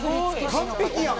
完璧やん！